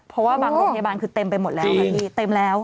เพราะว่าบางโรงพยาบาลคือเต็มไปหมดแล้วค่ะพี่เต็มแล้ว